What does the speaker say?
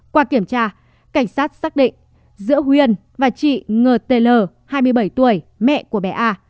qua kiểm tra cảnh sát xác định giữa huyên và chị ngờ t l hai mươi bảy tuổi mẹ của bé a